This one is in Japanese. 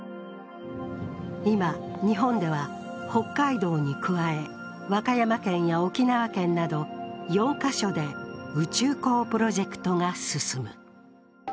今、日本では北海道に加え、和歌山県や沖縄県など４か所で宇宙港プロジェクトが進む。